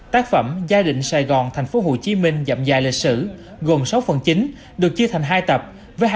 tác phẩm gia đình sài gòn tp hcm dậm dài lịch sử gồm sáu phần chính được chia thành hai tập với